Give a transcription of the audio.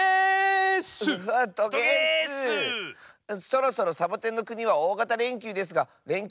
そろそろサボテンのくにはおおがたれんきゅうですがれん